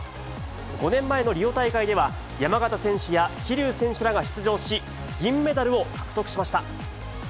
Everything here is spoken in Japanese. ５年前のリオ大会では、山縣選手や桐生選手らが出場し、銀メダルを獲得しました。